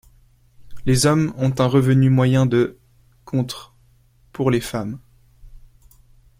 Les hommes ont un revenu moyen de $, contre $ pour les femmes.